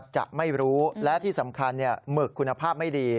จะไม่รู้และที่สำคัญหมึกคุณภาพไม่ดี